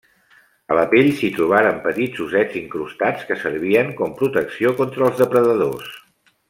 A la pell s'hi trobaren petits ossets incrustats, que servien com protecció contra els depredadors.